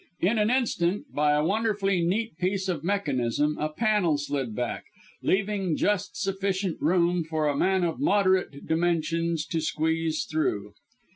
In an instant, by a wonderfully neat piece of mechanism, a panel slid back, leaving just sufficient room for a man of moderate dimensions to squeeze through.